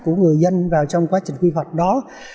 của người dân vào trong quá trình quy hoạch đó